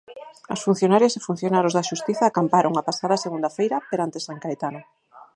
As funcionarias e funcionarios da Xustiza acamparon, a pasada segunda feira, perante San Caetano.